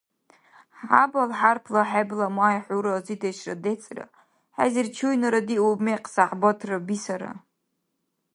Хӏябал хӏярпла хӏебла май Хӏу разидешра децӏра, Хӏезир чуйнара диуб Мекъ сяхӏбатра бисара.